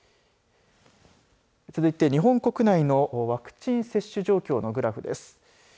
続いて日本国内のワクチン接種状況のグラフです。